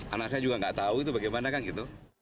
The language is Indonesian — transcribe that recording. anak saya juga nggak tahu itu bagaimana kan gitu